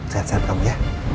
sehat sehat kamu ya